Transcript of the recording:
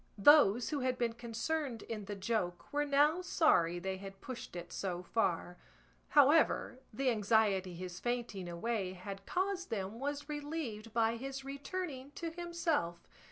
Those who had been concerned in the joke were now sorry they had pushed it so far; however, the anxiety his fainting away had caused them was relieved by his returning to himself.